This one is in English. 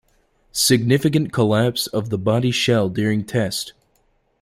Significant collapse of the body shell during test.